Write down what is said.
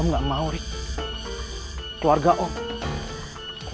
belum semua orang tahu